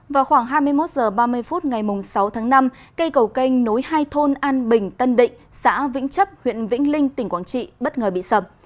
vào khoảng hai mươi một h ba mươi phút ngày sáu tháng năm cây cầu canh nối hai thôn an bình tân định xã vĩnh chấp huyện vĩnh linh tỉnh quảng trị bất ngờ bị sập